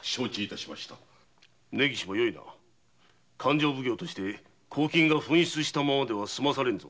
根岸もよいな勘定奉行として公金が紛失したままでは済まされぬぞ。